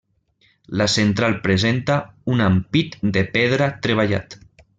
La central presenta un ampit de pedra treballat.